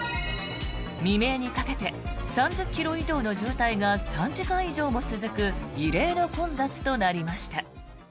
未明にかけて３０ｋｍ以上の渋滞が３時間以上も続く異例の混雑となりました。